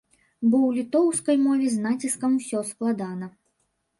Бо ў літоўскай мове з націскам усё складана.